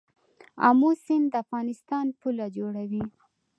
امو سیند د افغانستان پوله جوړوي.